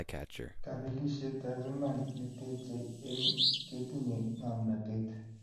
Kapelisietap iman ke techei eng ketinyei ngomnotet